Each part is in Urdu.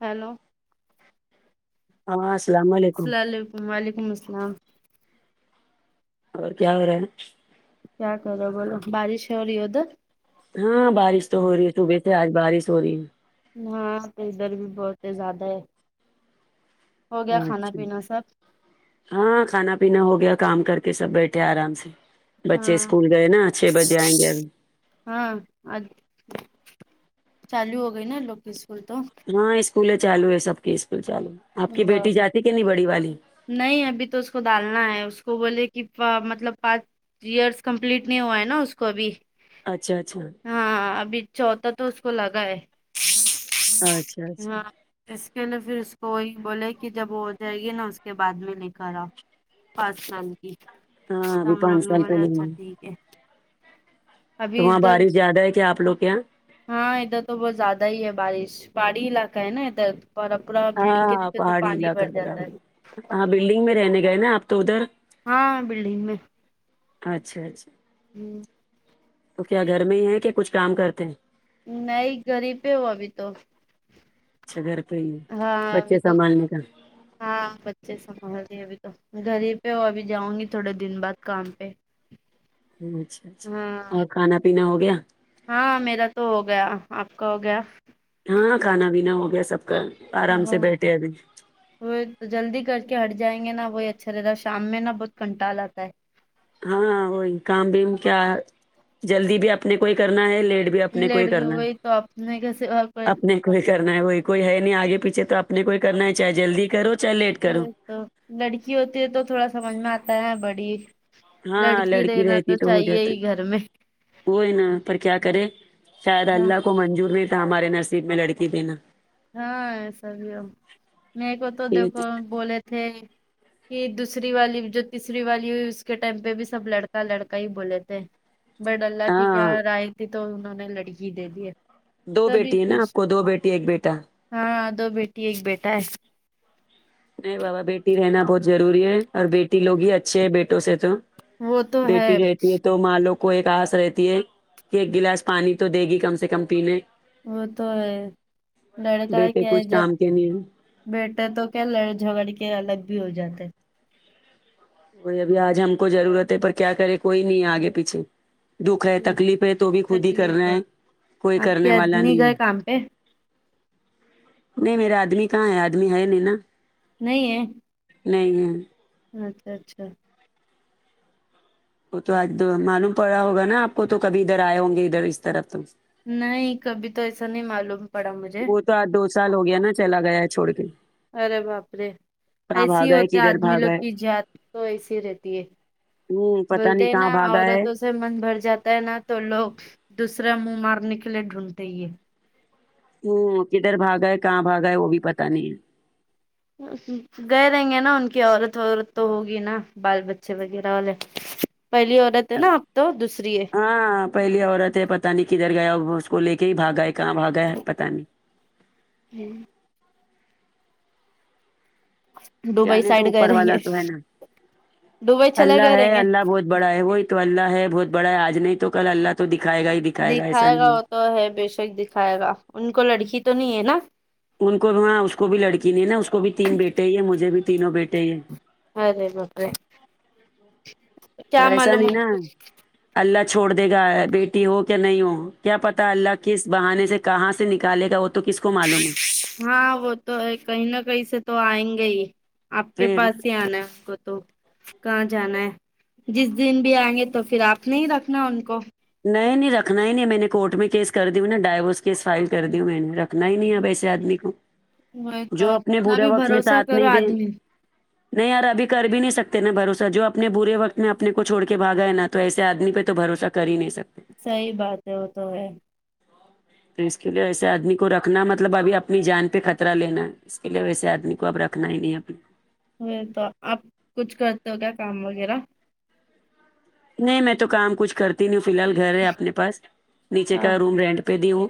ہیلو ہاں السلام علیکم السلام علیکم وعلیکم السلام اور کیا ہو رہا ہیں کیا کرو بولو بارش ہو رہی ادھر ہاں بارش تو ہو رہی ہے صبح تھے آج بارش ہو رہی ہے ہاں تو ادھر بھی بہت زیادہ ہے ہو گیا کھانا اچھا پینا سب ہاں کھانا پینا ہو گیا کام کر کے سب بیٹھے آرام سے بچے ہاں اسکول گئے نا چھ بجے آئیں گے اب ہاں چالو ہو گئے نا ان لوگ کی اسکول تو ہاں اسکول چالو ہے سب کی اسکول چالو آپ کی ہاں بیٹی جاتی کہ نہیں بڑی والی نہیں ابھی تو اس کو ڈالنا ہے اس کو بولے کہ مطلب پانچ ایئرس کمپلیٹ نہیں ہوا ہے نا اس کو ابھی اچھا اچھا ہاں ابھی چوتھا تو اس کو لگا ہے اچھا اچھا ہاں اس کے لیے پھر اس کو وہی بولے کہ جب وہ ہو جائے گی نا اس کے بعد میں لے کر اؤ پانچ سال ج ہاں تو ابھی ہم لوگ پانچ نے سال بولے پہلے اچھا ہوا ٹھیک ہے تو ابھی وہاں ادھر بارش زیادہ ہے کیا آپ لوگ کے یہاں ہاں ادھر تو بہت زیادہ ہی ہے بارش پہاڑی علاقہ ہے نا ادھر اور پورا بلڈنگ کے ہاں نیچے تو پہاڑی پانی علاقہ بھر جاتا ہے برابر ہاں بلڈنگ میں رہنے گئے نا آپ تو ادھر ہاں بلڈنگ میں اچھا اچھا ہوں تو کیا گھر میں ہی ہے کہ کچھ کام کرتے ہیں نی گھر ہی پے ہوں ابھی تو اچھا گھر پہ ہی ہاں بچے ابھی تو سنبھالنے کا ہاں بچے سنبھال رہے ابھی تو گھر ہی پہ ہو ابھی جاؤں گی تھوڑے دن بعد کام پہ اچھا اچھا ہاں اور کھانا پینا ہو گیا ہاں میرا تو ہو گیا آپ کا ہو گیا ہاں کھانا پینا ہو گیا سب کا آرام سے ہاں بیٹھے ابھی وہ جلدی کر کے ہٹ جائیں گے نا وہی اچھا رہتا ہے شام میں نا بہت کنٹال آتا ہے ہاں وہی کام بھی کیا جلدی بھی اپنے کو ہی کرنا ہے لیٹ بھی اپنے کو لیٹ ہی بھی ہوئی تو اپنے کیسے وہاں پ کوئی کرنا ہے وہی کوئی ہے نہیں آگے پیچھے تو اپنے کوئی کرنا ہے چاہے جلدی کرو چاہے لیٹ کرو تو لڑکی ہوتی ہے تو تھوڑا سمجھ میں آتا ہے بڑی ہاں لڑکی رہنا تو چاہیے ہی گھر میں وہ ہی نا پر کیا کرے شاید ہاں اللہ کو منظور نہیں تھا ہمارے نصیب میں لڑکی دینا ہاں ایسابھی میرے کو تو دیکھو بولے تھے کہ دوسری والی جو تیسری والی ہوئی اس کے ٹائم پہ بھی سب لڑکا لڑکا ہی بولے تھے بٹ اللہ کی کیا ہاں رائے تھی تو انہوں نے لڑکی دے دی ہے دو تبھی بیٹی ہے نا آپ خوش کو دو بیٹی ایک بیٹا ہاں دو بیٹی ایک بیٹا ہے نہیں بابا بیٹی رہنا بہت ضروری ہے اور بیٹی لوگ ہی اچھے ہے بیٹوں سے تو وہ تو ہے بیٹی رہتی ہے تو ماں لوگ کو ایک آس رہتی ہے کہ ایک گلاس پانی تو دے گی کم سے کم پینے وہ تو ہے لڑکا بیٹے کیا ہے کچھ جب کام کے نہیں ہیں۔ بیٹا تو کیا لڑ جھگڑ کے الگ بھی ہو جاتے وہی ابھی آج ہم کو ضرورت ہے پر کیا کرے کوئی نہیں آگے پیچھے دکھ ہے ہیں۔ تکلیف ہے تو بھی خود ہی کر تکلیف نا ہے ہیں کوئی آپ کرنے کے والا آدمی نہیں گئے ہے کام پہ نہیں میرا آدمی کہاں ہے آدمی ہے نہیں نا نہیں ہے نہیں ہے اچھا اچھا وہ تو آج معلوم پڑا ہوگا نا آپ کو تو کبھی ادھر آئے ہوں گے ادھر اس طرف تو نہیں کبھی تو ایسا نہیں معلوم پڑا مجھے وہ تو آج دو سال ہو گیا نا چلا گیا ہے چھوڑ کے ارے باپرے کہاں ایسے ہی بھاگا ہے ہوتا کدھر آدمی بھاگا لوگ ہے کی جات تو ایسی ہی رہتی ہے ہوں پتا بولتے نہیں ہیں کہاں نا بھاگا عورت ہے اس سے من بھر جاتا ہے نا تو لوگ دوسرا منہ مارنے کے لیے ڈھونڈتے ہی ہے ہوں کدھر بھاگا ہے کہاں بھاگا ہے وہ بھی پتا نہیں ہے [unintelligible] گئے رہیں گے نا ان کی عورت وورت تو ہوگی نا بال بچے وغیرہ والے پہلی عورت ہے نا آپ تو دوسری ہے ہاں پہلی عورت ہے پتہ نہیں کدھر گیا ہوگا اس کو لے کے ہی بھاگا ہے کہاں بھاگا ہے پتہ نہیں ہمم دبئی جانے تو سائڈ گئے اوپر رہیں والا گے تو ہے نا دبئی چلے اللہ گئے ہے رہیں گے اللہ بہت بڑا ہے وہی تو اللہ ہے بہت بڑا ہے آج نہیں تو کل اللہ تو دکھائے گا ہی دکھائے گا وہ تو ہے بےشک دکھائے گا ان کو لڑکی تو نہیں ہے نا ان کو بھی ہاں اس کو بھی لڑکی نہیں نا اس کو بھی تین بیٹے ہی ہے مجھے بھی تینوں بیٹے ہیں ارے باپرے پر کیا ایسا معلوم نہیں نا اللہ چھوڑ دے گا بیٹی ہو کیا نہیں ہو کیا پتا اللہ کس بہانے سے کہاں سے نکالے گا تو کس کو معلوم ہے ہاں وہ تو ہے کہیں نہ کہیں سے تو آئیں گے ہی آپ کے پھر پاس ہی آنا ہے ان کو تو کہاں جانا ہے جس دن بھی آئیں گے تو پھر آپ نے ہی رکھنا ان کو نہیں نہیں رکھنا ہی نہیں میں نے کورٹ میں کیس کر دی ہوں نا ڈائیورس کیس فائل کر دی میں نے رکھ نا ہی نہیں اب ایسے آدمی کو وہی جو تو اپنے کتنا برے بھی وقت میں بھروسہ ساتھ کرو نہیں دیں آدمی نہیں یار ابھی کر بھی نہیں سکتے نا بھرسہ جو اپنے برے وقت میں اپنے کو چھوڑ کے بھگا ہے نا تو ایسے آدمی پہ تو بھروسہ کر ہی نہیں سکتے صحیح بات ہے وہ تو ہے تو اس کے لیے ویسے آدمی کو رکھنا مطلب ابھی اپنی جان پہ خطرہ لینا اس کے لیے ویسے آدمی کو اب رکھ [unintelligible] ہمم تو آپ کچھ کرتے ہو کیا کام وغیرہ نہیں میں تو کام کچھ کرتی نہیں ہوں فی الحال گھر ہے اپنے پاس نیچے ہاں کا روم رینٹ پے دی ہوں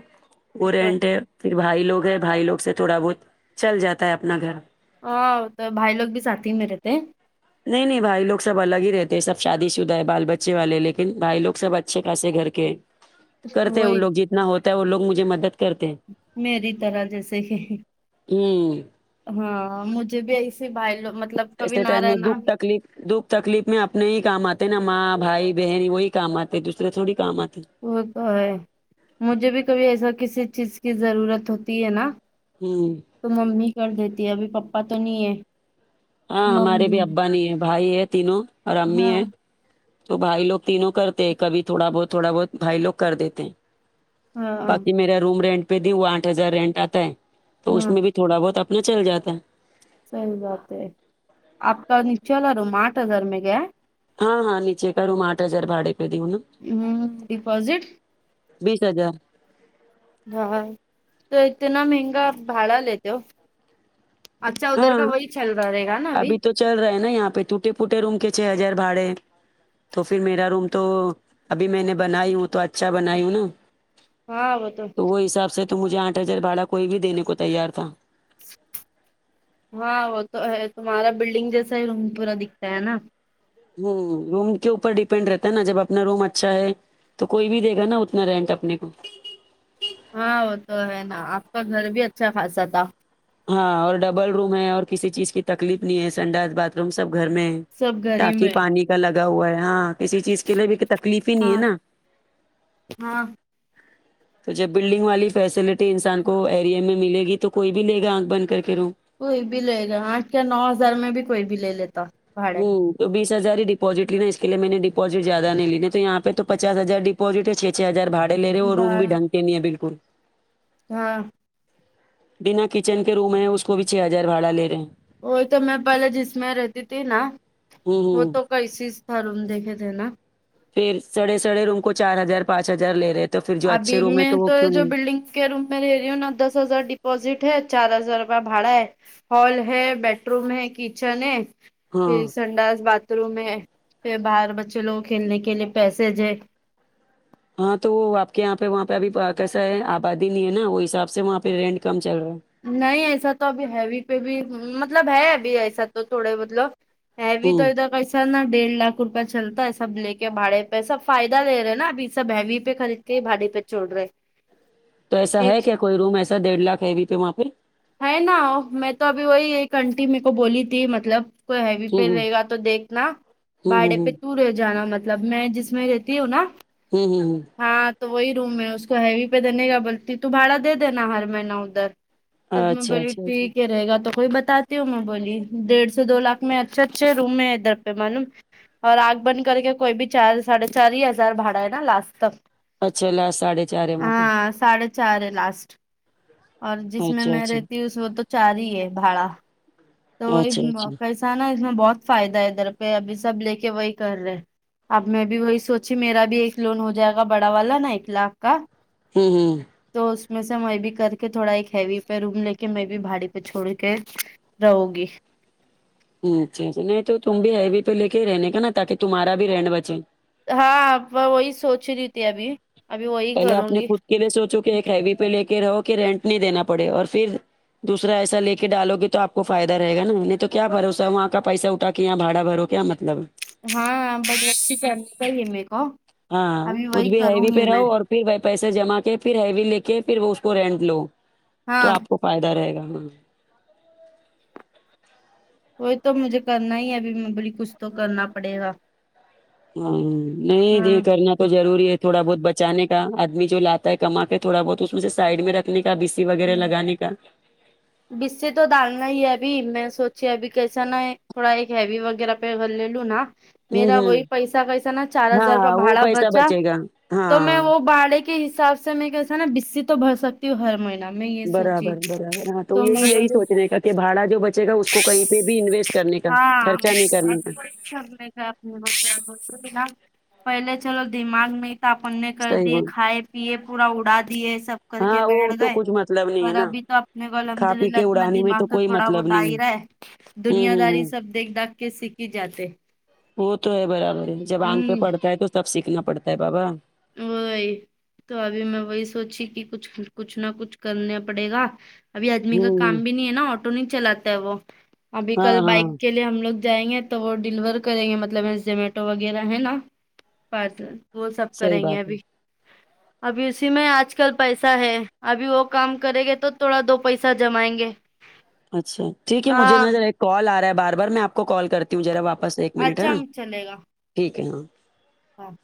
اور تو رنٹ پھر بھائی لوگ ہیں بھائی لوگ سے تھوڑا بہت چل جاتا ہے اپنا گھر ہاں تو بھائی لوگ بھی ساتھی ہی میں رہتے ہیں نہیں نہیں بھائی لوگ سب الگ ہی رہتے ہیں سب شادی شدہ ہے بال بچے والے لیکن بھائی لوگ سب اچھے خاصے گھر کے ہے کرتے ہیں وہ وہی لوگ جتنا ہوتا ہے وہ لوگ مجھے مدد کرتے ہیں میری طرح جیسے کہ ہوں ہاں مجھے بھی ایسیے بھائی لوگ مطلب کبھی ایسے نہ ٹائم میں رہنا دکھ تکلیف دکھ تکلیف میں اپنے ہی کام آتے نا ماں بھائی بہن وہی کام آتے دوسرے تھوڑی کام آتے وہ تو ہے مجھے بھی کبھی ایسا کسی چیز کی ضرورت ہوتی ہے نا ہمم تو ممی کر دیتی ہے ابھی پپا تو نہیں ہے ہاں ہمارے بھی ممی ابا نہیں ہے بھائی ہے تینوں اور امی ہاں ہے تو بھائی لوگ تینوں کرتے ہیں کبھی تھوڑا بہت تھوڑا بہت بھائی لوگ کر دیتے ہیں ہاں باقی میرا روم رینٹ پہ بھی وہ آٹھ ہزار رینٹ آتا ہے تو اس ہاں میں بھی تھوڑا بہت اپنا چل جاتا ہے صحیح بات ہے آپ کا نیچے والا روم آٹھ ہزار میں گیا ہے ہاں ہاں نیچے کا روم آٹھ ہزار باڑے پہ دی ہوں نہ ہوں ڈپوسٹ بیس ہزار ہاں تو اتنا مہنگا بھاڑا لیتے ہو اچھا ادھر ہاں کا وہی چل رہے گا نا ابھی چل رہے نا یہاں پہ ٹوٹے پھوٹے روم کے چھ ہزار بھاڑے تو پھر میرا روم تو ابھی میں نے بنائی ہوں تو اچھا بنائی ہوں نا تو وہ حساب سے تو مجھے آٹھ ہزار بھاڑا کوئی بھی دینے کو تیار تھا ہاں وہ تو ہے تمہارا بلڈنگ جیسا ہی روم پورا دکھتا ہے نا ہوں روم کے اوپر ڈیپینڈ رہتا ہے نا جب اپنا روم اچھا ہے تو کوئی بھی دے گا نا اتنا رینٹ اپنے کو ہاں وہ تو ہے نا آپ کا گھر بھی اچھا خاصہ تھا ہاں اور ڈبل روم ہے اور کسی چیز کی تکلیف نہیں ہے سنڈاس باتھ روم سب گھر میں ہے سب گھر ہی ٹاکی میں پانی کا لگا ہوا ہے ہاں کسی چیز کے لیے بھی کو تکلیف ہی نہیں ہے ہاں نا ہاں تو جب بلڈنگ والی فیسلٹی انسان کو ایریا میں ملے گی تو کوئی میلے گا آنکھ بن کر کے روم کوئی بھی لے گا آٹھ یا نو ہزار میں بھی کوئی بھی لے لیتا بھاڑے ہوں تو بیس ہزار ہی ڈپوزٹ لی نا اس کے لیے میں نے ڈپوزٹ زیادہ نہیں لی تو یہاں پہ تو پچاس ہزار پوسٹ چھ چھ ہزار بھاڑے لے رہے اور روم بھی بھاڑا ڈنگ کے نہیں ہے بالکل ہاں بنا کچن کے روم ہے اس کو بھی چھ ہزار بھاڑا لے رہے ہیں وہی تو میں پہلے جس میں رہتی تھی نا ہوں وہ ہوں تو کسی تھا روم دیکھے تھے نا پھر سڑے سڑے روم کو چار ہزار پانچ ہزار لے رہے تو پھر جو ابھی اچھے روم ہے میں وہ تو کیوں جو نہیں بلڈنگ کے روم میں رہے رہی ہوں نا دس ہزار ڈپوزٹ ہے چار ہزار روپ بھاڑا ہے ہال ہے بیڈ روم ہے کچن ہے پھر ہاں سنڈاس باتھ روم ہے پھر باہر بچے لوگوں کھیلنے کے لیے پیسے ہے ہاں تو وہ آپ کے یہاں پہ وہاں پہ ابھی کیسا ہے آبادی نہیں ہے نا وہ حساب سے وہاں پہ رینٹ کم چل رہا ہے نہیں ایسا تو ابھی ہیوی پہ بھی مطلب ہے ابھی ایسا تو تھوڑے مطلب ہیوی تو ہوں ادار کا سر نا ڈیڑھ لاکھ روپیہ چلتا ہے سب لے کے بھاڑے پہ سب فائدہ لے رہے نا اب یہ سب ہیوی پہ خرید کہ بھاڈے پہ چلرا ہ تو ایسا ہے کیا کوئی روم ایسا ڈیڑھ لاکھ ہیوی پہ وہاں پہ ہے نا میں تو ابھی وہی ایک انٹی میکو بولی تھی مطلب کوئی ہیوی ہوں پ رہے گا تو دیکھنا ہوں ہوں ہوں باڑے پہ ہوں تو رے جانا مطلب میں جس میں رہتی ہوں نا ہوں ہوں ہوں ہاں تو وہی روم ہے اس کو ہیوی پہ دینے گا بلتی تو بھاڑا دے دینا ہر مہینہ ادھر تب میں اچھا بلیے اچھا اچھا ٹھیک ہے رہے گا تو کوئی بتا تی ہوں میں بولی ڈیڑھ سے دو لاکھ میں اچھے اچھے روم ہے ادھر پہ معلوم اور انک بند کر کے کوئی بھی چار ساڑھے چار ہی ہزار بھاڑا ہے نا لاسٹ اچھا لاسٹ ساڑھے چار ہے وہاں پہ ہاں ساڈے چار ہے لاسٹ اور جس میں اچھا میں اچھا رہتی ہوں اس میں تو چار ہی ہے بھاڑا تو وہی اچھا اچھا پیسا نا اس میں بہت فائدہ ہے ادھر پہ ابھی سب لے کے وہی کر رہے اب میں بھی وہی سوچی میرا بھی ایک لون ہو جائے گا بڑا والا نا ایک لاکھ کا ہوں ہوں تو اس میں سے میں بھی کر کے تھوڑا ایک ہیوی پہ روم لے کے میں بھی بھڑے پہ چھوڑ کے رہو گی جی جی نہیں تو تم بھی ہیو پے لے کے ہی رہنے کا نا تاکہ تمہارا بھی رہینن بچے ہاں ابا وہی سوچ رہی تھی ابھی ابھی وہی پہلے کروں آپ نے گی خود کے لیے سوچو کہ ایک ہیوی پہ لے کے رہو کہ رینٹ نہیں دینا پڑے اور پھر دوسرا ایسا لے کے ڈالو گے تو آپ کو فائدہ رہے گا نا ان تو کیا بھروسا وہاں کا پیسہ اٹا کے یہاں باڑا بھرو کیا مطلب ہے ہاں برد [unintelligible] کو ہاں ابھی خود وہی بھی کروں ہیوی گی پہ میں رہو اور پھر بھائی پیسے جمع کے پھر ہیوی لے کے پھر وہ اس کو رینٹ لو تو ہاں آپ کو فائدہ رہے گا ہاں وہ تو مجھے کرنا ہی ہے ابھی میں بولی کچھ تو کرنا پڑے گا ہاں نہیں دیہ ہاں یہ کرنا تو ضوری ہے تھوڑا بہت بچانے کا آدمی جو لاتا ہے کما کے تھوڑا بہت اس میں سے سائڈ میں رکھنے کا بھی وغیرہ لگانے کا بیسے تو ڈالنا ہی ہے ابھی میں سوچے ابھی کیسا نا ہے تھوڑا ایک ہیوی وغیرہ پیور لے لو نا ہوں میرا ہوں وہی پیسا کیسا نا چار ہزار روپ ہاں وہ بھاڑا پیسہ بچا بچے گا تو میں ہاں وہ بھاڑے کے کے حساب سے میں کیسا نا بسی تو بھر سکتی ہوں ہر ماہی برابر برابر ہاں تو یہی میں یہی بولی سوچنے کا کہ بھاڑا جو بچے گا اس کو کہیں پہ بھی انویسٹ کرنے کا ہاں خرچہ نہیں کرنے بس کا تھوڑی سی ہم نے پہلے چلو دماغ نہیں تھا اپن کر صحیح دیے بول کھائے پیے پورا اڑا دیے سب کر کے ہاں وہ بیٹھ تو گئے کچھ مطلب نہیں ہے اور نا ابھی تو اپنے کو الحمد کھا پی للہ کے اتنا اڑانے میں دماغ تو کوئی تھوڑا مطلب بہت آئ نہیں رہا ہے ہوں دنیا ہوں داری سب دیکھ داکھ کے سیکھی جاتے وہ تو ہے برابر ہے جب انگ پہ ہوں پڑتا ہے تو تب سیکھنا پڑتا ہے بابا وہی تو ابھی میں وہی سوچی کہ کچھ کچھ نہ کچھ کرنا پڑے گا ابھی آدمی کا ہوں کام بھی نہیں ہے نا آٹو نہیں چلاتا ہے وہ ابھی ہاں کل بائک ہاں کے لیے ہم لوگ جائیں گے تو وہ ڈیلیور کریں گے مطلب زومیٹو وغیرہ ہے نا پارسل وہ سب صحیح کریں گے بات ہے ابھی ابھی اسی میں آج کل پیسہ ہے ابھی وہ کام کرے گے تو تھوڑا دو پیسہ جمائیں گے اچھا ٹھیک ہے مجھے ہاں نظر ایک کال آ رہا ہے بار بار میں آپ کو کال کرتا تم جرا واپس ایک منٹ ہاں اچھا ٹھیک ہے ہاں اوکے